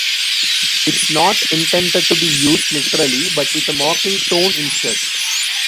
It's not intended to be used literally but with a mocking tone instead.